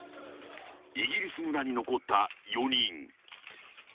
［イギリス村に残った４人］